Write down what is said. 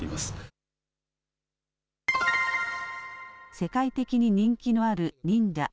世界的に人気のある忍者。